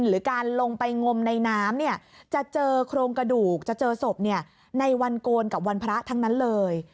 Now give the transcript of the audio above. หรือการลงไปงมในน้ำจะเจอโครงกระดูกจะเจอศพในวันโกนกับวันพระทั้งนั้นเลย